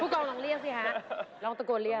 กองลองเรียกสิฮะลองตะโกนเรียก